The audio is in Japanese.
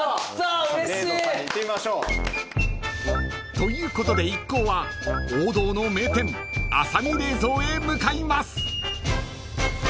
［ということで一行は王道の名店阿左美冷蔵へ向かいます］